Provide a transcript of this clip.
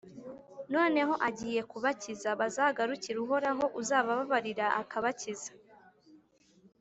noneho agiye kubakiza: bazagarukire Uhoraho uzabababarira, akabakiza.